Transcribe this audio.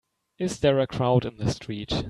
Is there a crowd in the street?